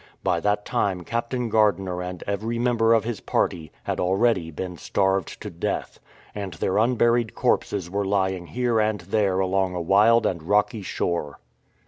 By that time Captain Gardiner and every member of his party had already been starved to death, and their unburied corpses were lying here and there along a wild and rocky shore.